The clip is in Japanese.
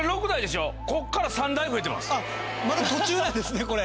まだ途中なんですねこれ。